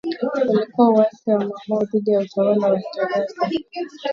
Ulikuwa uasi wa Mau Mau dhidi ya utawala wa Uingereza